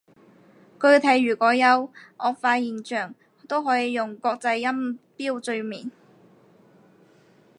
具體如果有顎化現象，都可以用國際音標注明